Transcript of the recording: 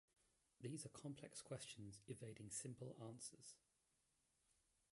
These are complex questions evading simple answers.